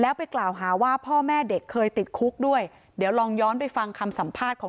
แล้วไปกล่าวหาว่าพ่อแม่เด็กเคยติดคุกด้วยเดี๋ยวลองย้อนไปฟังคำสัมภาษณ์ของ